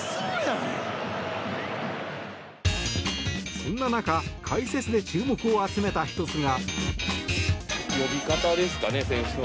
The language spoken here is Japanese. そんな中解説で注目を集めた１つが。